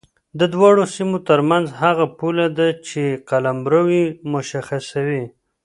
د دواړو سیمو ترمنځ هغه پوله ده چې قلمرو یې مشخصوي.